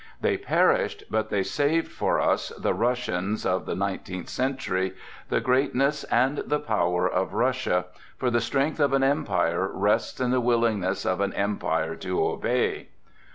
They perished, but they saved for us, the Russians of the nineteenth century, the greatness and the power of Russia, for the strength of an empire rests in the willingness of an empire to obey."